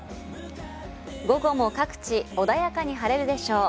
午後も各地、穏やかに晴れるでしょう。